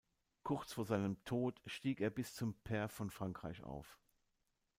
Kurz vor seinem Tod stieg er bis zum "Pair von Frankreich" auf.